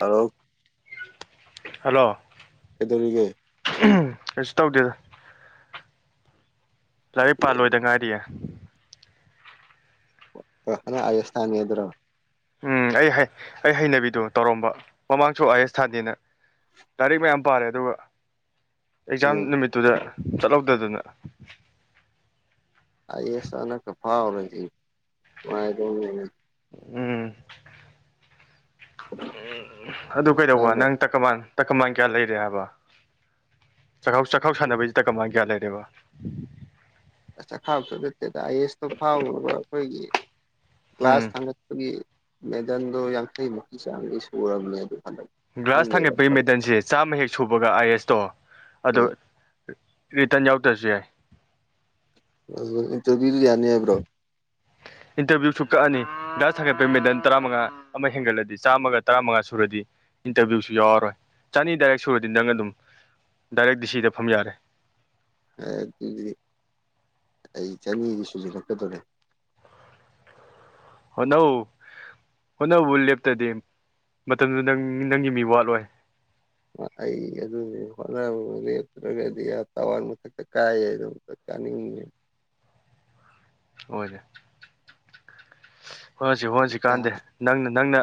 ꯑꯣ ꯍꯜꯂꯣ ꯀꯩꯗꯧꯔꯤꯒꯦ [unintelligible] ꯀꯩꯁꯨ ꯇꯧꯗꯦꯗ ꯂꯥꯏꯔꯤꯛ ꯄꯥ ꯂꯣꯏꯗ ꯉꯥꯏꯔꯤꯌꯦ ꯑ ꯅꯪ ꯑꯥꯏ ꯑꯦꯁ ꯊꯥꯅꯤꯗꯨꯔꯣ ꯎꯝ ꯑꯩ ꯍꯩ ꯑꯩ ꯍꯩꯅꯕꯤꯗꯣ ꯇꯧꯔꯝꯕ ꯃꯃꯥꯡꯁꯨ ꯑꯥꯏ ꯑꯦꯁ ꯊꯥꯟꯗꯦꯅ ꯂꯥꯏꯔꯤꯛ ꯃꯌꯥꯝ ꯄꯥꯔꯦ ꯑꯗꯨꯒ ꯑꯦꯛꯖꯥꯝ ꯎꯝ ꯅꯨꯃꯤꯠꯇꯨꯗ ꯆꯠꯍꯧꯗꯗꯅ ꯑꯥꯏ ꯑꯦꯁ ꯅꯪꯅꯀ ꯐꯥꯎꯔꯗꯤ ꯅꯨꯡꯉꯥꯏꯗꯧꯅꯤꯅꯦ ꯎꯝ ꯎꯝ ꯑꯗꯨ ꯀꯩꯗꯧꯕ ꯅꯪꯅ ꯅꯪ ꯇꯛꯀꯃꯥꯟ ꯇꯛꯀꯃꯥꯟ ꯀꯌꯥ ꯂꯩꯔꯦ ꯍꯥꯏꯕ ꯆꯥꯛꯈꯥꯎ ꯆꯥꯛꯈꯥꯎ ꯁꯥꯟꯅꯕꯁꯤ ꯇꯛꯀꯃꯥꯟ ꯀꯌꯥ ꯂꯩꯔꯦꯕ ꯑ ꯆꯈꯥꯎꯇ ꯅꯠꯇꯦꯗ ꯑꯥꯏ ꯑꯦꯁꯇꯣ ꯐꯥꯎꯅꯕ ꯑꯩꯈꯣꯏꯒꯤ ꯀ꯭ꯂꯥꯁ ꯎꯝ ꯊꯥꯡꯒꯠ ꯄꯒꯤ ꯃꯦꯗꯟꯗꯣ ꯌꯥꯡꯈꯩꯃꯨꯛꯀꯤ ꯆꯥꯡꯗꯤ ꯁꯨꯔꯕꯅꯦ ꯑꯗꯨ ꯍꯟꯗꯛ ꯒ꯭ꯂꯥꯁ ꯈꯪꯗꯦꯗ ꯊꯥꯡꯒꯠꯄꯒꯤ ꯃꯦꯗꯜꯁꯦ ꯆꯥꯝꯃ ꯍꯦꯛ ꯁꯨꯕꯒ ꯑꯥꯏ ꯑꯦꯁꯇꯣ ꯑꯗꯣ ꯎꯝ ꯔꯤꯇꯟ ꯌꯥꯎꯗ꯭ꯔꯁꯨ ꯌꯥꯏ ꯎꯝ ꯏꯟꯇꯔꯚ꯭ꯌꯨꯅ ꯌꯥꯅꯦ ꯍꯥꯏ ꯏꯟꯇꯔꯚꯤꯌꯨꯁꯨ ꯀꯛꯑꯅꯤ ꯒ꯭ꯂꯥꯁ ꯊꯥꯡꯒꯠꯄꯒꯤ ꯃꯦꯗꯜ ꯇꯔꯥꯃꯉꯥ ꯑꯃ ꯍꯦꯟꯒꯠꯂꯗꯤ ꯆꯥꯝꯃꯒ ꯇꯔꯥꯃꯉꯥ ꯁꯨꯔꯗꯤ ꯏꯟꯇꯔꯚꯤꯌꯨꯁꯨ ꯌꯥꯎꯔꯔꯣꯏ ꯆꯅꯤ ꯗꯥꯏꯔꯦꯛ ꯁꯨꯔꯗꯤ ꯅꯪ ꯑꯗꯨꯝ ꯗꯥꯏꯔꯦꯛ ꯗꯤ ꯁꯤꯗ ꯐꯝ ꯌꯥꯔꯦ ꯑꯗꯨꯗꯤ ꯑꯩ ꯆꯅꯤꯗꯤ ꯁꯨꯖꯂꯛꯀꯗꯧꯔꯦ ꯍꯣꯠꯅꯧ ꯍꯣꯠꯅꯕꯨ ꯂꯦꯞꯇꯗꯤ ꯃꯇꯝꯗꯨ ꯅꯪ ꯅꯪꯒꯤ ꯃꯤ ꯋꯥꯠꯂꯣꯏ ꯑꯩ ꯑꯗꯨ ꯍꯣꯠꯅꯕꯕꯨ ꯂꯦꯞꯇ꯭ꯔꯒꯗꯤ ꯑꯥ ꯇꯋꯥꯔ ꯃꯊꯛꯇ ꯀꯥꯏ ꯍꯥꯏꯗꯣ ꯀꯥꯅꯤꯡꯉꯦ ꯍꯣꯏ ꯍꯣꯠꯅꯁꯤ ꯍꯠꯅꯁꯤ ꯀꯥꯟꯗꯦ ꯅꯪꯅ ꯅꯪꯅ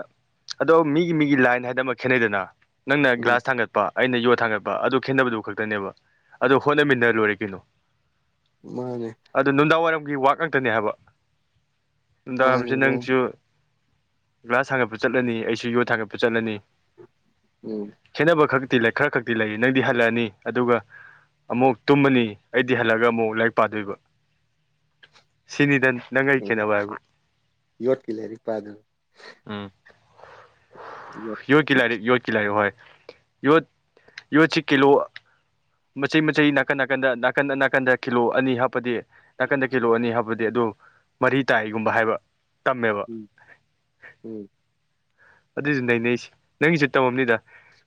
ꯑꯗꯣ ꯃꯤꯒꯤ ꯃꯤꯒꯤ ꯂꯥꯏꯟ ꯍꯥꯏꯗꯅ ꯑꯃ ꯈꯦꯠꯅꯩꯗꯅ ꯅꯪꯅ ꯎꯝ ꯒ꯭ꯂꯥꯁ ꯊꯥꯡꯒꯠ ꯄ ꯑꯩꯅ ꯌꯣꯠ ꯊꯥꯡꯒꯠꯄ ꯑꯗꯨ ꯈꯦꯠꯅꯕꯗꯨ ꯈꯛꯇꯅꯦꯕ ꯑꯗꯣ ꯍꯣꯠꯅꯃꯤꯟꯅꯔ ꯂꯣꯏꯔꯦ ꯀꯩꯅꯣ ꯃꯥꯅꯦ ꯑꯗꯨ ꯅꯨꯡꯗꯥꯡ ꯋꯥꯏꯔꯝꯒꯤ ꯋꯥꯛ ꯉꯥꯛꯇꯅꯦ ꯍꯥꯏꯕ ꯅꯨꯡꯗꯥꯡ ꯋꯥꯏꯔꯝ ꯃꯥꯅꯦ ꯃꯥꯅꯦ ꯒ꯭ꯂꯥꯁ ꯊꯥꯡꯒꯠꯄ ꯆꯠꯂꯅꯤ ꯑꯩꯁꯨ ꯌꯣꯠ ꯊꯥꯡꯒꯠꯄ ꯆꯠꯂꯅꯤ ꯎꯝ ꯈꯦꯠꯅꯕ ꯈꯛꯇꯤ ꯂꯩ ꯈꯔ ꯈꯛꯇꯤ ꯂꯩ ꯅꯪꯗꯤ ꯍꯜꯂꯛꯑꯅꯤ ꯑꯗꯨꯒ ꯑꯃꯨꯛ ꯇꯨꯝꯃꯅꯤ ꯑꯩꯗꯤ ꯍꯜꯂꯒ ꯑꯃꯨꯛ ꯂꯥꯏꯔꯤꯛ ꯄꯥꯗꯣꯏꯕ ꯁꯤꯅꯤꯗ ꯅꯪ ꯑꯩ ꯎ ꯈꯦꯠꯅꯕ ꯍꯥꯏꯕꯨ ꯌꯣꯠꯀꯤ ꯂꯥꯏꯔꯤꯛ ꯄꯥꯗꯨꯕ ꯎꯝ ꯌꯣꯠ ꯌꯣꯠꯀꯤ ꯂꯥꯏꯔꯤꯛ ꯌꯣꯠꯀꯤ ꯂꯥꯏꯔꯤꯛ ꯍꯣꯏ ꯌꯣꯠ ꯌꯣꯠꯀꯤ ꯀꯤꯂꯣ ꯃꯆꯩ ꯃꯆꯩ ꯅꯥꯀꯟ ꯅꯥꯀꯟꯗ ꯅꯥꯀꯟꯗ ꯅꯥꯀꯟꯗ ꯀꯤꯂꯣ ꯑꯅꯤ ꯍꯥꯞꯄꯗꯤ ꯅꯥꯀꯟꯗ ꯀꯂꯣ ꯑꯅꯤ ꯍꯥꯞꯄꯗꯤ ꯑꯗꯨ ꯃꯔꯤ ꯇꯥꯏꯒꯨꯝꯕ ꯍꯥꯏꯕ ꯇꯝꯃꯦꯕ ꯎꯝ ꯑꯗꯨꯏꯁꯨ ꯅꯩꯅꯩꯁꯦ ꯅꯪꯒꯤꯁꯨ ꯇꯧꯔꯝꯅꯤꯗ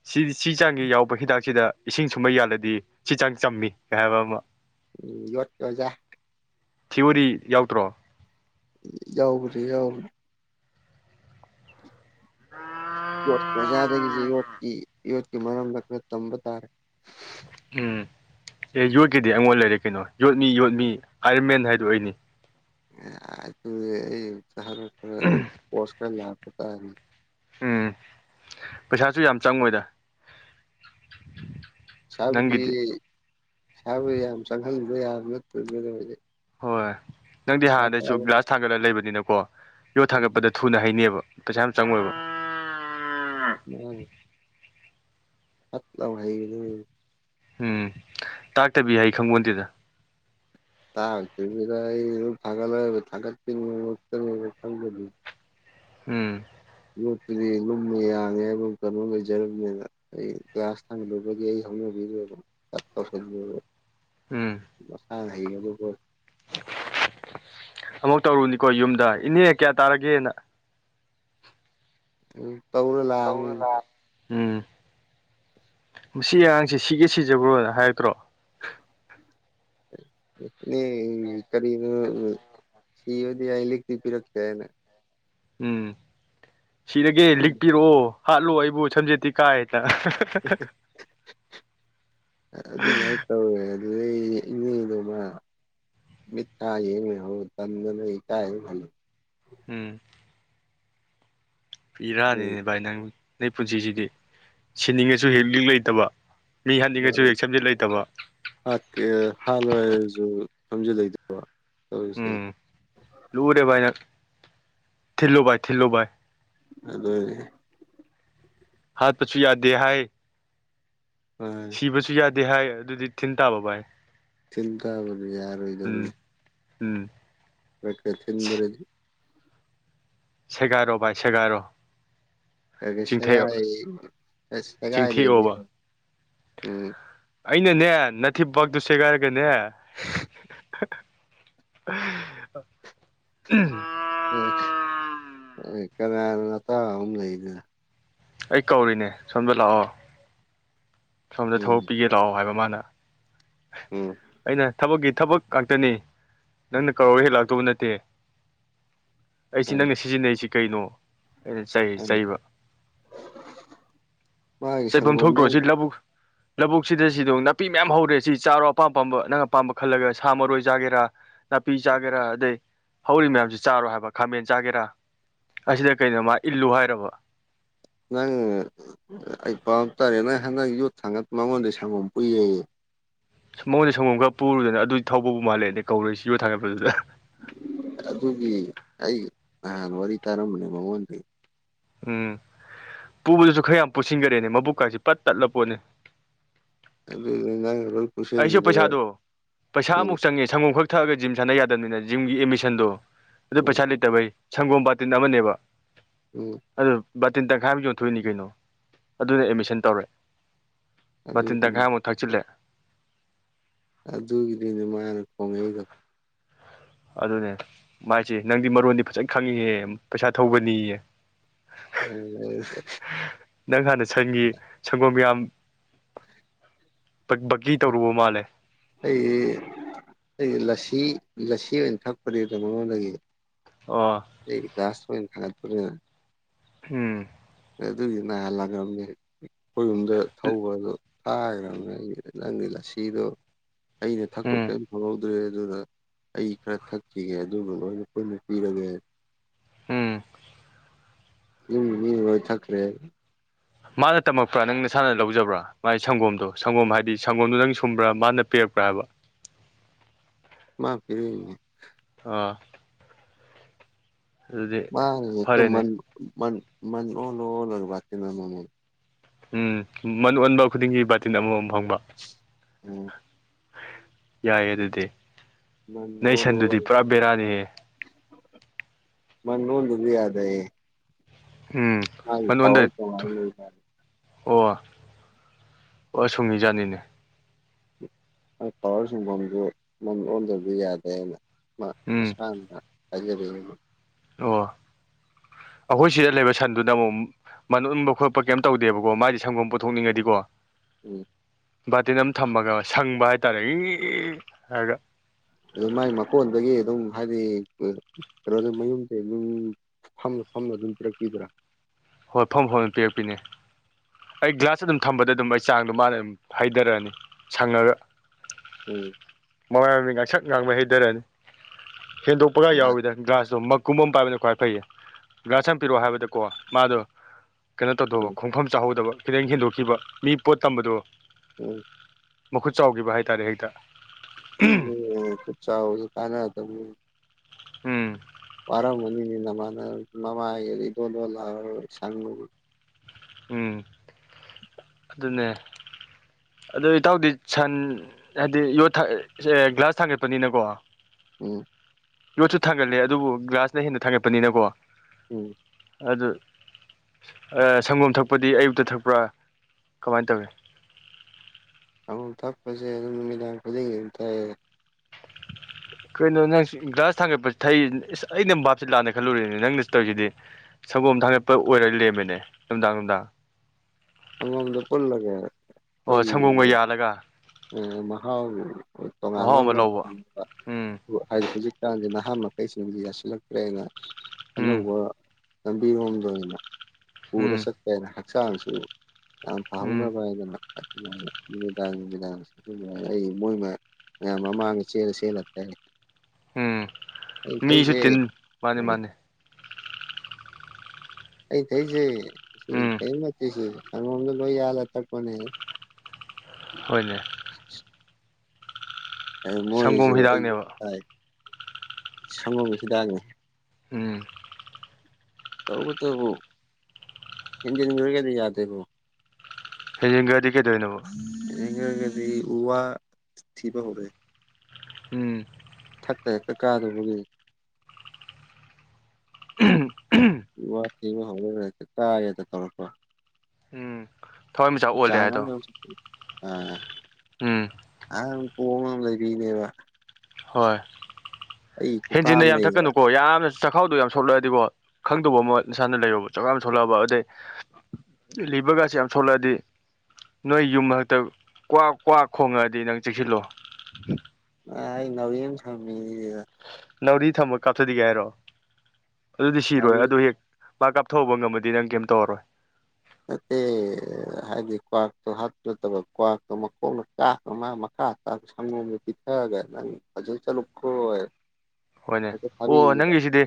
ꯁꯤ ꯁꯤ ꯆꯥꯡꯒꯤ ꯌꯥꯎꯕ ꯍꯤꯗꯥꯛꯁꯤꯗ ꯏꯁꯤꯡ ꯁꯨꯝꯕ ꯌꯥꯜꯂꯗꯤ ꯁꯤ ꯆꯥꯡ ꯆꯝꯃꯤ ꯀꯥꯏ ꯍꯥꯏꯕ ꯑꯃ ꯎꯝ ꯌ‌ꯣꯠ ꯑꯣꯖꯥ ꯊꯤꯑꯣꯔꯤ ꯌꯥꯎꯗ꯭ꯔꯣ ꯌꯥꯎꯕ꯭ꯔꯤ ꯌꯥꯎꯕ [unintelligible] ꯌꯣꯠꯀꯤ ꯑꯣꯖꯥꯗꯒꯤꯁꯦ ꯌꯣꯠꯀꯤ ꯌꯣꯠꯀꯤ ꯃꯔꯝꯗ ꯈꯔ ꯇꯝꯕ ꯇꯥꯔꯦ ꯎꯝ ꯑꯦ ꯌꯣꯠꯀꯤꯗꯤ ꯑꯩꯉꯣꯟ ꯂꯩꯔꯦ ꯀꯩꯅꯣ ꯌꯣꯠꯃꯤ ꯌꯣꯠꯃꯤ ꯑꯥꯏꯔꯟꯃꯦꯟ ꯍꯥꯏꯗꯣ ꯑꯩꯅ‌ꯦ ꯑꯗꯨꯗꯤ ꯑꯩ ꯁꯍꯔ ꯈꯔ ꯄꯣꯁ ꯈꯔ ꯂꯥꯛꯄ ꯇꯥꯔꯦ ꯎꯝ ꯄꯩꯁꯥꯁꯨ ꯌꯥꯝ ꯆꯪꯉꯣꯏꯗ ꯄꯩꯁꯥꯕꯨꯗꯤ ꯅꯪꯒꯤꯗꯤ ꯄꯩꯁꯥꯕꯨ ꯌꯥꯝ ꯆꯪꯍꯟꯕ ꯌꯥꯕ ꯅꯠꯇ‌ꯦꯗ ꯅ‌ꯣꯏꯗꯤ ꯍꯣꯏ ꯅꯪꯗꯤ ꯍꯥꯟꯅꯗꯩꯁꯨ ꯒ꯭ꯂꯥꯁ ꯊꯥꯡꯒꯠꯂ ꯂꯩꯕꯅꯤꯅꯀꯣ ꯌꯣꯠ ꯎꯝ ꯊꯥꯡꯒꯠꯄꯗ ꯊꯨꯅ ꯍꯩꯅꯦꯕ ꯄꯩꯁꯥ ꯌꯥꯝ ꯆꯪꯉꯣꯏꯕ ꯃꯥꯅ‌ꯦ ꯐꯠ ꯂꯥꯎ ꯍꯩꯒ [unintelligible] ꯎꯝ ꯇꯥꯛꯇꯕꯤ ꯍꯩ ꯈꯪꯄ‌ꯣꯟꯇ‌ꯦꯗ ꯇꯥꯛꯇꯕꯤꯗ ꯑꯩ ꯗꯨꯝ ꯊꯥꯡꯒꯠꯂ ꯊꯥꯡꯒꯠ [unintelligible] ꯎꯝ ꯌꯣꯠꯇꯨꯗꯤ ꯂꯨꯝꯃꯦ ꯌꯥꯡꯉꯦ ꯍꯥꯏꯕ ꯀꯩꯅꯣ ꯂꯩꯖꯔꯕꯅꯤꯅ ꯑꯩ ꯒ꯭ꯂꯥꯁ ꯊꯥꯡꯒꯗꯕꯒꯤ ꯑꯩ ꯍꯧꯅꯕꯤꯗꯣ ꯇꯛ ꯇꯧꯁꯟꯕ ꯎꯝ ꯃꯁꯥꯅ ꯍꯩꯒꯗꯧ [unintelligible] ꯑꯃꯨꯛ ꯇꯧꯔꯨꯅꯤꯀꯣ ꯌꯨꯝꯗ ꯏꯅꯦ ꯀꯌꯥ ꯇꯥꯔꯒꯦꯅ ꯎꯝ ꯇꯧꯔ ꯂꯤꯛꯑꯒ‌ꯦ ꯇꯧꯔ ꯂꯥꯛ ꯎꯝ ꯃꯁꯤ ꯑꯉꯥꯡꯁꯦ ꯁꯤꯒꯦ ꯁꯤꯖꯈ꯭ꯔꯣ ꯍꯥꯏꯔꯛꯇ꯭ꯔꯣ [unintelligible] ꯀꯔꯤꯅꯣ ꯁꯤꯕꯗꯤ ꯌꯥꯏ ꯂꯤꯛꯇꯤ ꯄꯤꯔꯛꯇꯦꯅ ꯎꯝ ꯁꯤꯔꯒ‌‌ꯦ ꯂꯤꯛ ꯄꯤꯔꯛꯑꯣ ꯍꯥꯠꯂꯣ ꯑꯩꯕꯨ ꯁꯝꯖꯦꯠꯇꯤ ꯀꯥꯏꯗ [unintelligible] [unintelligible] [unintelligible] ꯃꯤꯠꯇ ꯌꯦꯡ ꯂꯩꯍꯧ ꯇꯟꯗꯅ ꯏꯀꯥꯏ ꯗꯨꯝ ꯍꯜ ꯎꯝ ꯄꯤꯔꯥꯅꯤꯅꯦ ꯚꯥꯏ ꯅꯪ ꯅ‌ꯣꯏ ꯄꯨꯟꯁꯤꯁꯤꯗꯤ ꯁꯤꯟꯅꯤꯡꯉꯁꯨ ꯍꯦꯛ ꯂꯤꯛ ꯂꯩꯇꯕ ꯂꯤ ꯍꯥꯠꯅꯤꯡꯉꯁꯨ ꯍ‌ꯦꯛ ꯁꯝꯁꯦꯠ ꯂꯩꯇꯕ ꯍꯥꯠꯀꯦ ꯍꯥꯜꯂꯣꯏ ꯍꯥꯏꯔꯖꯨ ꯁꯝꯖ‌ꯦꯠ ꯂꯩꯇꯕ ꯇꯧꯔꯤꯁꯦ ꯎꯝ ꯂꯨꯔꯦ ꯚꯥꯏ ꯅꯪ ꯊꯤꯜꯂꯨ ꯚꯥꯏ ꯊꯤꯜꯂꯨ ꯚꯥꯏ ꯑꯗꯨꯅꯦ ꯍꯥꯠꯄꯁꯨ ꯌꯥꯗꯦ ꯍꯥꯏ [unintelligible] ꯏꯕꯁꯨ ꯌꯥꯗꯦ ꯍꯥꯏ ꯑꯗꯨꯗꯤ ꯊꯤꯟ ꯇꯥꯕ ꯚꯥꯏ ꯊꯤꯟꯇꯥꯕꯅ‌ꯦ ꯎꯝ ꯌꯥꯔꯣꯏꯗꯕꯗꯤ ꯎꯝ ꯈꯔꯛ ꯈꯔꯛ ꯊꯤꯟꯗꯔꯗꯤ ꯁꯦꯒꯥꯏꯔꯣ ꯚꯥꯏ ꯁꯦꯒꯥꯏꯔꯣ [unintelligible] ꯆꯤꯡꯊꯩ ꯁꯦꯒꯥꯏ ꯑꯁ ꯁꯦꯒꯥꯏꯗ꯭ꯔꯗꯤ ꯆꯤꯡꯊꯤꯑꯣꯕ ꯎꯝ ꯑꯩꯅꯅꯦ ꯅꯥꯊꯤꯄꯥꯛꯇꯨ ꯁꯦꯒꯥꯏꯔꯒꯅꯦ [unintelligible] ꯎꯝ ꯀꯅꯥꯅ‌ꯣ ꯅꯇꯥꯎ ꯑꯝ ꯂꯩꯗ ꯑꯩ ꯀꯧꯔꯤꯅꯦ ꯁꯣꯝꯗ ꯂꯥꯛꯑꯣ ꯁꯣꯝꯗ ꯎꯝ ꯊꯕꯛ ꯄꯤꯒꯦ ꯂꯥꯛꯑꯣ ꯍꯥꯏꯕ ꯃꯥꯅ ꯎꯝ ꯑꯩꯅ ꯊꯕꯛꯀꯤ ꯊꯕꯛ ꯉꯥꯛꯇꯅꯤ ꯅꯪꯅ ꯀꯧꯔꯒ ꯑꯩꯅ ꯂꯥꯛꯇꯧꯕ ꯅꯠꯇꯦ ꯑꯩꯁꯤ ꯎꯝ ꯅꯪꯅ ꯁꯤꯖꯤꯟꯅꯩꯁꯤ ꯀꯩꯅꯣ ꯑꯩꯅ ꯆꯩꯕ ꯃꯥꯥꯏꯒꯤ ꯆꯩꯐꯝ ꯁꯪꯒꯣꯝ ꯊꯣꯛꯇ꯭ꯔꯣ ꯅ ꯁꯤ ꯂꯧꯕꯨꯛ ꯂꯧꯕꯨꯛꯁꯤꯗ ꯁꯤꯗꯣꯡ ꯅꯥꯄꯤ ꯃꯌꯥꯝ ꯍꯧꯔꯦ ꯁꯤ ꯆꯥꯔꯣ ꯑꯄꯥꯝ ꯄꯄꯥꯝꯕ ꯅꯪ ꯑꯄꯥꯝꯕ ꯈꯜꯂꯒ ꯁꯥ ꯃꯔꯣꯏ ꯆꯥꯒꯦꯔꯥ ꯅꯥꯄꯤ ꯆꯥꯒꯦꯔꯥ ꯑꯗꯩ ꯍꯧꯔꯤ ꯃꯌꯥꯝꯁꯤ ꯆꯥꯔꯣ ꯍꯥꯏꯕ ꯈꯥꯃꯦꯟ ꯆꯥꯒꯦꯔꯥ ꯑꯁꯤꯗ ꯀꯩꯅꯣ ꯃꯥ ꯏꯜꯂꯨ ꯍꯥꯏꯔꯕ ꯅꯪ ꯑꯩ ꯄꯥꯕ ꯇꯥꯔꯦ ꯅꯪ ꯍꯟꯗꯛ ꯌꯣꯠ ꯊꯥꯡꯒꯠ ꯃꯉꯣꯟꯗ ꯁꯪꯒꯣꯝ ꯄꯨꯏꯌꯦꯌꯦ ꯃꯉꯣꯟꯗꯩ ꯁꯪꯒꯣꯝ ꯈꯔ ꯄꯨꯔꯨꯗꯅ ꯑꯗꯨꯗꯤ ꯊꯧꯕꯕꯨ ꯃꯥꯜꯂꯦ ꯑꯩ ꯀꯧꯔꯣꯏ ꯁꯤ ꯌꯣ ꯊꯥꯡꯒꯠꯄꯗꯨꯗ ꯑꯗꯨꯒꯤ ꯑꯩ ꯅꯍꯥꯟ ꯋꯥꯔꯤ ꯇꯥꯔꯝꯕꯅꯦ ꯃꯉꯣꯟꯗꯒꯤ ꯎꯝ ꯄꯨꯕꯗꯁꯨ ꯈꯔ ꯌꯥꯝ ꯄꯨꯁꯤꯟꯈꯔꯦꯅꯦ ꯃꯕꯨꯛꯀꯥꯏꯁꯤ ꯄꯠ ꯇꯠꯂ ꯄꯣꯠꯅꯤ ꯑꯗꯨꯑꯣꯢ ꯅꯪ ꯗꯨꯝ ꯑꯩꯁꯨ ꯄꯩꯁꯥꯗꯣ ꯄꯩꯁꯥ ꯑꯃꯨꯛ ꯆꯪꯉꯦ ꯁꯪꯒꯣꯝ ꯈꯛ ꯊꯛꯑꯒ ꯖꯤꯝ ꯁꯥꯟꯅ ꯌꯥꯗꯕꯅꯤꯅ ꯖꯤꯝꯒꯤ ꯑꯦꯗꯃꯤꯁꯟꯗꯣ ꯑꯗꯨ ꯎꯝ ꯄꯩꯁꯥ ꯂꯩꯇꯕꯩ ꯁꯪꯒꯣꯝ ꯕꯥꯇꯤꯟ ꯑꯃꯅꯦꯕ ꯎꯝ ꯑꯗꯨ ꯕꯥꯔꯇꯤꯟ ꯇꯪꯈꯥꯏ ꯑꯃ ꯌꯣꯟꯊꯣꯛꯏꯅꯤ ꯀꯩꯅꯣ ꯑꯗꯨꯅ ꯑꯦꯗꯃꯤꯁꯟ ꯇꯧꯔꯦ ꯕꯥꯇꯤꯟ ꯑꯗꯨꯒꯤꯅꯤ ꯇꯪꯈꯥꯏ ꯑꯃꯣ ꯊꯛꯆꯜꯂꯦ ꯑꯗꯨꯒꯤꯗꯤꯅꯦ ꯃꯥꯅ ꯈꯣꯡꯉꯛꯏꯗꯣ ꯑꯗꯨꯅꯦ ꯃꯥꯏꯁꯦ ꯅꯪꯗꯤ ꯃꯔꯣꯟꯗꯤ ꯐꯖꯅ ꯈꯪꯉꯤꯍꯦ ꯄꯩꯁꯥ ꯊꯧꯕꯅꯤꯌꯦ [unintelligible] ꯅꯪ ꯍꯥꯟꯅ ꯁꯟꯒꯤ ꯁꯪꯒꯣꯝ ꯌꯥꯝ ꯒꯤ ꯇꯧꯔꯨꯕ ꯃꯥꯜꯂꯦ ꯑꯩꯁꯤ ꯑꯩꯁ ꯂꯁꯤ ꯂꯁꯤ ꯑꯣꯏꯅ ꯊꯛꯄꯅꯦ ꯃꯉꯣꯟꯗꯒꯤ ꯑ ꯑꯩ ꯀꯥꯁ ꯑꯣꯏꯣꯏ ꯈꯥꯗꯄ ꯎꯝ ꯑꯗꯨꯒꯤ ꯅꯥꯍꯜꯂꯑꯕꯅꯦ ꯑꯩꯈꯣꯏꯔꯨꯝꯗ ꯊꯧꯕꯗꯣ ꯊꯥꯈ꯭ꯔꯕꯅꯦ ꯑꯩꯒꯤ ꯅꯪꯒꯤ ꯂꯁꯤꯗꯣ ꯑꯩꯅ ꯊꯛꯄ ꯎꯝ ꯀꯔꯤꯝ ꯈꯪꯍꯧꯗ ꯭ꯔꯦ ꯑꯗꯨꯅ ꯑꯩ ꯈꯔ ꯊꯛꯈꯤꯒꯦ ꯑꯗꯨꯒ ꯂꯣꯏꯅ ꯄꯨꯟꯅ ꯄꯤꯔꯒ ꯎꯝ ꯏ ꯃꯤ ꯑꯣꯏ ꯊꯛꯈ꯭ꯔꯦ ꯃꯥꯅ ꯇꯝꯃꯛꯄ꯭ꯔꯥ ꯅꯪ ꯅꯁꯥꯅ ꯂꯧꯖꯕ꯭ꯔꯥ ꯃꯥꯒꯤ ꯁꯪꯒꯣꯝꯗꯣ ꯁꯪꯒꯣꯝ ꯍꯥꯏꯗꯤ ꯁꯪꯒꯣꯝꯗꯣ ꯅꯪ ꯁꯨꯝꯕ꯭ꯔꯥ ꯃꯥꯅ ꯄꯤꯔꯛꯄ꯭ꯔꯥ ꯍꯥꯏꯕ ꯃꯥ ꯄꯤꯔꯩ ꯑꯥ ꯑꯗꯨꯗꯤ ꯃꯥꯅ ꯌꯦꯛꯇ ꯃꯟ ꯐꯔꯦꯅꯦ ꯃꯟ ꯃꯟ ꯑꯣꯜꯂ ꯑꯣꯜꯂꯒ ꯕꯇꯤꯟ ꯑꯃꯃꯝ ꯎꯝ ꯃꯟ ꯑꯣꯟꯕ ꯈꯨꯗꯤꯡꯒꯤ ꯕꯥꯔꯇꯤꯟ ꯑꯃꯃꯝ ꯐꯪꯕ ꯎꯝ ꯌꯥꯏꯌꯦ ꯑꯗꯨꯗꯤ ꯃꯟ ꯅꯩ ꯑꯣꯜ ꯁꯟꯗꯨꯗꯤ ꯑꯣꯜꯂꯒ ꯄꯨꯔꯥ ꯕꯦꯔꯥꯅꯤꯍ ꯃꯅꯣꯗꯗꯤ ꯌꯥꯗꯦ ꯎꯝ ꯑ [unintelligible] ꯃꯅꯣꯟꯗ ꯄꯋꯥꯔꯦ ꯑꯣ ꯑꯣ ꯁꯨꯡꯍꯤꯖꯥꯅꯤꯅꯦ ꯄꯋꯥꯔ ꯁꯨꯡꯐꯝꯁꯨ ꯃꯝ ꯑꯣꯟꯗꯕ ꯌꯥꯗꯦꯅ ꯃꯥ ꯎꯝ ꯃꯁꯥꯅ ꯑꯗꯨ ꯑꯣ ꯑꯩꯈꯣꯏ ꯁꯤꯗ ꯂꯩꯕ ꯁꯟꯗꯨꯅ ꯑꯃꯨꯛ ꯃꯅ ꯎꯟꯕ ꯈꯣꯠꯄ ꯀꯩꯝ ꯇꯧꯗꯦꯕꯀꯣ ꯃꯥꯗꯤ ꯁꯪꯒꯝ ꯄꯨꯊꯣꯛꯅꯤꯡꯉꯗꯤꯀꯣ ꯎꯝ ꯕꯥꯔꯇꯤꯟ ꯑꯃ ꯊꯝꯃꯒ ꯁꯪꯕ ꯍꯥꯏꯇꯥꯔꯦ ꯏ ꯍꯥꯏꯔꯒ ꯑꯗꯨ ꯃꯥꯏ ꯃꯀꯣꯟꯗꯒꯤ ꯑꯗꯨꯝ ꯍꯥꯏꯗꯤ ꯀꯩꯅꯣ ꯃꯌꯨꯝꯁꯦ ꯐꯝꯂ ꯐꯝꯃ ꯑꯗꯨꯝ ꯄꯤꯔꯛꯄꯤꯗ꯭ꯔꯥ ꯍꯣꯏꯠꯐꯝ ꯍꯣꯔꯅ ꯄꯤꯔꯛꯄꯤꯅꯦ ꯑꯩ ꯒ꯭ꯂꯥꯁ ꯑꯗꯨꯝ ꯊꯝꯕꯗ ꯑꯗꯨꯝ ꯑꯩ ꯆꯥꯡꯗꯣ ꯃꯥꯅ ꯑꯗꯨꯝ ꯍꯥꯏꯩꯊꯔꯛꯑꯅꯤ ꯁꯪꯉꯒ ꯎꯝ ꯃꯃꯥꯏ ꯃꯃꯤ ꯉꯥꯡꯁꯛ ꯉꯥꯡꯕ ꯍꯩꯊꯔꯅꯤ ꯍꯦꯟꯗꯣꯛꯄꯒ ꯎꯝ ꯌꯥꯎꯋꯗꯅ ꯒ꯭ꯂꯥꯁꯇꯣ ꯀꯨꯝꯕꯝ ꯄꯥꯏꯕꯅ ꯈ꯭ꯋꯥꯏ ꯐꯩꯌꯦ ꯒ꯭ꯔꯥꯁ ꯌꯥꯝ ꯄꯤꯔꯣ ꯍꯥꯏꯕꯗꯀꯣ ꯃꯥꯗꯣ ꯀꯩꯅꯣ ꯇꯧꯊꯧꯕ ꯈꯣꯡꯐꯝ ꯆꯥꯍꯧꯗꯕ ꯈꯤꯇꯪ ꯍꯦꯟꯗꯣꯛꯈꯤꯕ ꯃꯤ ꯄꯣꯠ ꯇꯝꯕꯗꯣ ꯎꯝ ꯃꯈꯨꯠ ꯆꯥꯎꯈꯤꯕ ꯍꯥꯏꯇꯥꯔꯦ ꯍꯦꯛꯇ ꯎꯝ ꯆꯥꯎ ꯀꯥꯏꯅ ꯎꯝ ꯋꯥꯔꯥ ꯃꯅꯤꯅꯃꯅ ꯃꯃꯥ ꯑꯦꯗꯣꯜꯗꯜꯂ ꯁꯪ ꯎꯝ ꯑꯗꯨꯅꯦ ꯑꯗꯣ ꯏꯇꯥꯎꯗꯤ ꯁꯟ ꯍꯥꯏꯗꯤ ꯌꯣꯠ ꯒ꯭ꯂꯥꯁ ꯊꯥꯡꯒꯠꯄꯅꯤꯅꯀꯣ ꯎꯝ ꯌꯣꯠꯁꯨ ꯊꯥꯡꯒꯠꯂꯦ ꯑꯗꯨꯕꯨ ꯒ꯭ꯂꯥꯁꯅ ꯍꯦꯟꯅ ꯊꯥꯡꯒꯠꯄꯅꯤꯅꯀꯣ ꯎꯝ ꯑꯗꯨ ꯁꯪꯒꯣꯝ ꯊꯛꯄꯗꯤ ꯑꯌꯨꯛꯇ ꯊꯛꯄ꯭ꯔꯥ ꯀꯃꯥꯏꯅ ꯇꯧꯏꯤ ꯆꯪꯒꯣꯝ ꯊꯛꯄꯁꯦ ꯑꯗꯨꯝ ꯅꯨꯃꯤꯗꯥꯡ ꯈꯨꯗꯤꯡꯒꯤ ꯑꯗꯨꯝ ꯇꯥꯏꯑꯦ ꯀꯩꯅꯣ ꯅꯪ ꯒ꯭ꯔꯥꯁ ꯊꯥꯡꯒꯠꯄꯁꯤ ꯊꯩ ꯑꯁ ꯑꯩꯅꯪ ꯕꯥꯞꯁꯤꯦ ꯂꯥꯟꯑꯅ ꯈꯜꯂꯨꯔꯦꯅꯦ ꯅꯪꯅ ꯇꯧꯔꯤꯁꯤꯗꯤ ꯁꯪꯒꯣꯝ ꯊꯥꯡꯒꯠꯄ ꯑꯣꯏꯔꯒ ꯂꯦꯝꯃꯤꯅꯦ ꯅꯨꯡꯗꯥꯡ ꯅꯨꯡꯗꯥꯡ ꯑꯉꯥꯡꯗ ꯄꯨꯜꯂꯒ ꯑꯣ ꯄꯩ ꯁꯪꯒꯣꯝꯒ ꯌꯥꯜꯂꯒ ꯃꯍꯥꯎ ꯃꯍꯥꯎ ꯇꯣꯉꯥꯟꯕ ꯑꯃ ꯂꯧꯕ ꯎꯝ ꯍꯥꯏꯗꯤ ꯍꯧꯖꯤꯛ ꯍꯛꯆꯥꯡꯁꯦ ꯅꯍꯥ ꯃꯈꯀꯩꯁꯤꯡꯁꯤ ꯌꯥꯁꯤꯜꯂꯛꯇ꯭ꯔꯦꯅ ꯎꯝ ꯑꯅꯧꯕ ꯂꯝꯕꯤꯔꯣꯝꯗꯅꯤꯅ ꯄꯨꯔ ꯎꯝ ꯆꯠꯄ ꯍꯥꯏꯅ ꯍꯛꯆꯥꯡꯁꯨ ꯌꯥꯝ ꯎꯝ ꯐꯍꯧꯅꯕ ꯍꯥꯏꯗꯅ ꯑꯗꯨꯃꯥꯏꯅ ꯅꯨꯃꯤꯗꯥꯡ ꯅꯨꯃꯤꯗꯥꯡ ꯑꯗꯨꯃꯥꯏꯅ ꯑꯩ ꯃꯣꯏꯃ ꯃꯌꯥꯝ ꯃꯃꯥꯡꯗ ꯆꯦꯁ ꯉꯥꯛ ꯇꯅꯤ ꯎꯝ ꯃꯤꯁꯨ ꯇꯤꯟ ꯊꯛꯏꯁꯦ ꯃꯥꯅꯤ ꯃꯥꯅꯤ ꯑꯩ ꯊꯛꯏꯁꯦ ꯁꯤ ꯎꯝ ꯀꯩ ꯅꯠꯇꯦ ꯁꯤ ꯁꯪꯒꯣꯝꯗ ꯂꯣꯏ ꯌꯥꯜꯂ ꯊꯛꯄꯅꯦ ꯍꯣꯏ ꯅꯦ ꯎꯝ ꯃꯣꯏꯁꯨ ꯁꯪꯒꯣꯝ ꯍꯤꯗꯥꯛꯅꯦꯕ ꯑꯩꯥꯏ ꯁꯪꯉꯨꯒꯤ ꯍꯤꯗꯥꯛꯅꯤ ꯎꯝ ꯇꯧ ꯇꯕꯨ ꯍꯤꯟꯗꯤꯤꯟ ꯑꯣꯏꯔꯒꯦꯗꯤ ꯌꯥꯗꯦꯕꯣ ꯍꯦꯖꯤꯤꯡꯒꯥꯔꯗꯤ ꯀꯩꯗꯣꯏꯅꯕꯣ ꯏ ꯀꯗꯤ ꯎ ꯋꯥ ꯊꯤꯕ ꯍꯧꯔꯦ ꯎꯝ ꯊꯛꯇ ꯍꯦꯛꯇ ꯀꯥꯗꯕꯒꯤ ꯋꯥ ꯊꯦꯡꯕ ꯍꯧꯅꯔ ꯇꯥꯏꯔꯦ ꯇꯧꯔꯛꯄ ꯎꯝ ꯊꯋꯥꯏ ꯃꯆꯥ ꯆꯥ ꯑꯣꯜꯂꯦ ꯀ ꯍꯥꯏꯗꯣ ꯑ ꯎꯝ ꯑꯍ ꯄꯣꯡꯉ ꯑꯃ ꯂꯩꯕꯤꯅꯦꯕ ꯍꯣꯏ ꯑꯩ ꯈꯨꯀꯥ ꯍꯦꯟꯖꯤꯟꯅ ꯑꯃ ꯌꯥꯝ ꯂꯩꯌꯦꯕ ꯊꯛꯀꯅꯨꯀꯣ ꯌꯥꯝꯅ ꯆꯥꯛꯈꯥꯎꯗꯣ ꯌꯥꯝ ꯁꯣꯜꯂꯛꯑꯗꯤꯀꯣ ꯈꯪꯗꯕ ꯑꯃ ꯅꯁꯥꯅ ꯂꯩꯔꯨꯕ ꯆꯥꯛꯈꯥꯎ ꯌꯥꯝ ꯁꯣꯛꯂꯛꯑꯕ ꯑꯗꯩ ꯂꯤꯕꯔꯒꯁꯤ ꯌꯥꯝ ꯁꯣꯂꯛꯑꯗꯤ ꯅꯣꯏ ꯌꯨꯝ ꯍꯛꯇ ꯀꯋꯥꯛ ꯀ꯭ꯋꯥꯛ ꯈꯣꯡꯉꯛꯑꯗꯤ ꯅꯪ ꯆꯦꯛꯁꯤꯜꯂꯣ ꯑ ꯅꯥꯎꯔꯤ ꯑꯃ ꯊꯝ ꯃꯤꯌꯦ ꯅꯥꯎꯔꯤ ꯊꯝꯃ ꯀꯥꯞꯊꯒꯦ ꯍꯥꯏꯔꯣ ꯑꯗꯨꯗꯤ ꯁꯤꯔꯣꯏ ꯅꯥꯎꯔꯤ ꯑꯗꯨ ꯍꯦꯛ ꯄꯥꯛ ꯀꯥꯞꯊꯣꯛꯕ ꯉꯝꯃꯗꯤ ꯅꯪ ꯀꯩꯝ ꯇꯧꯔꯣꯏ ꯅꯠꯇꯦ ꯍꯥꯏꯗꯤ ꯀ꯭ꯋꯥꯛꯇꯣ ꯍꯥꯠꯇ ꯅꯠꯇꯕ ꯀ꯭ꯋꯥꯛꯇꯣ ꯃꯈꯣꯡꯅ ꯀꯥꯞꯈ꯭ꯔ ꯃꯥ ꯃꯈꯥ ꯁꯡꯒꯣꯝ ꯄꯤꯊꯛꯑꯒ ꯅꯪ ꯐꯖꯅ ꯆꯠꯂꯨꯀꯣ [unintelligible] ꯍꯣꯏꯅꯦ ꯑꯣ ꯅꯪꯒꯤꯁꯤꯗꯤ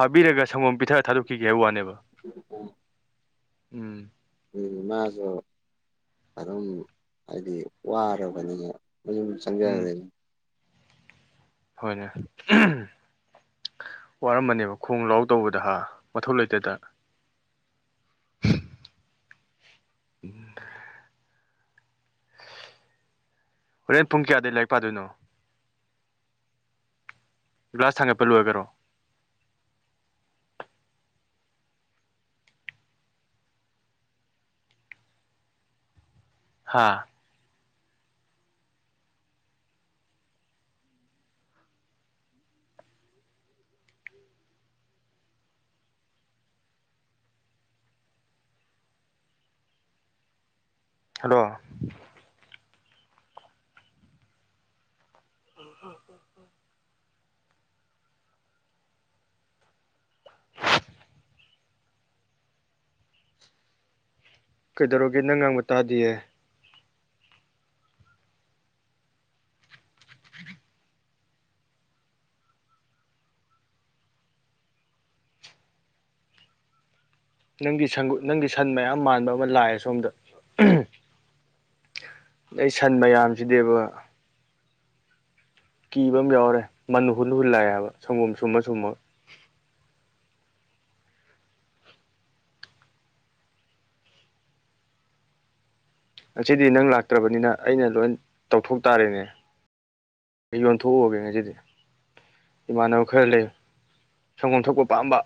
ꯐꯥꯕꯤꯔꯒ ꯁꯪꯒꯣꯝ ꯄꯤꯊꯛꯑ ꯊꯥꯗꯣꯛꯈꯤꯒꯦ ꯍꯥꯏꯕ ꯋꯥꯅꯦꯕ ꯎꯝ ꯑꯗꯨ ꯃꯥꯁꯨ ꯑꯗꯨꯝ ꯍꯥꯏꯗꯤ ꯋꯥꯔꯕꯅꯤꯅ ꯃꯌꯨꯝ ꯎꯝ ꯆꯡꯈꯔꯖꯅꯤ ꯍꯣꯏꯅꯦ ꯋꯥꯔꯃꯅꯦꯕ ꯈꯣꯡ ꯂꯥꯎ ꯇꯧꯕꯗ ꯍꯥ ꯃꯊꯧ ꯂꯩꯇꯗ ꯎꯝ ꯍꯣꯔꯦꯟ ꯄꯨꯡ ꯀꯌꯥꯗꯒꯤ ꯂꯥꯏꯔꯤꯛ ꯄꯥꯗꯣꯏꯅꯣ ꯒ꯭ꯂꯥꯁ ꯊꯥꯡꯒꯠꯄ ꯂꯣꯏꯔꯒꯔꯣ ꯍꯥꯥ ꯍꯜꯂꯣ ꯀꯩꯗꯧꯔꯒꯦ ꯅꯪ ꯉꯥꯡꯕ ꯇꯥꯗꯤꯌꯦ ꯅꯪꯒꯤ ꯁꯟ ꯅꯪꯒꯤ ꯁꯟ ꯃꯌꯥꯝ ꯃꯥꯟꯕ ꯑꯃ ꯂꯥꯛꯑꯦ ꯁꯣꯝꯗ ꯑꯩ ꯁꯟ ꯃꯌꯥꯝꯁꯤꯗꯤꯕ ꯀꯤꯕ ꯑꯃ ꯌꯥꯎꯔꯦ ꯃꯟ ꯍꯨꯟ ꯍꯨꯜꯂꯛꯑꯦ ꯍꯥꯏꯕ ꯁꯪꯒꯣꯝ ꯁꯨꯝꯃ ꯁꯨꯝꯃ ꯉꯁꯤꯗꯤ ꯅꯪ ꯂꯥꯛꯇ꯭ꯔꯕꯅꯤꯅ ꯑꯩꯅ ꯂꯣꯏ ꯇꯧꯊꯣꯛ ꯇꯥꯔꯦꯅꯦ ꯑꯩ ꯌꯣꯟꯊꯣꯛꯎꯒꯦ ꯉꯁꯤꯗꯤ ꯏꯃꯥꯟꯅꯕ ꯈꯔ ꯂꯩ ꯁꯪꯒꯣꯝ ꯊꯛꯄ ꯄꯥꯝꯕ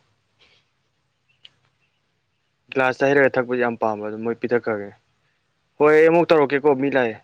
ꯒ꯭ꯂꯥꯁꯇ ꯍꯩꯔꯒ ꯊꯛꯄ ꯌꯥꯝ ꯄꯥꯝꯕ ꯑꯗꯨꯝ ꯃꯣꯏ ꯄꯤꯊꯛꯈ꯭ꯔꯒꯦ ꯍꯣꯏ ꯑꯩ ꯑꯃꯨꯛ ꯇꯧꯔꯛꯀꯦꯀꯣ ꯃꯤ ꯂꯥꯛꯑꯦ